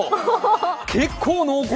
結構濃厚。